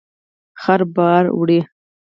خره بار وړي.